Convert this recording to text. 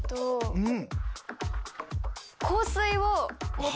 うん。